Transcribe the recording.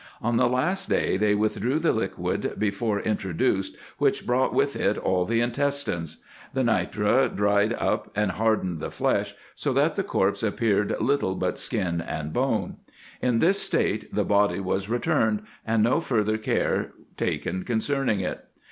On the last day they withdrew the liquid before intro duced, which brought with it all the intestines. The nitre dried IN EGYPT, NUBIA, &c. 167 up and hardened the flesh, so that the corpse appeared little but skin and bone. In this state the body was returned, and no further care taken concerning it.